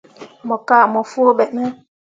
Mo kah mo foo ɓe ne.